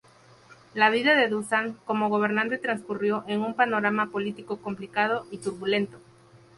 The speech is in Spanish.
La vida de Dušan como gobernante transcurrió en un panorama político complicado y turbulento.